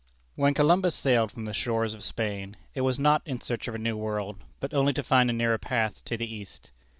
When Columbus sailed from the shores of Spain, it was not in search of a New World, but only to find a nearer path to the East.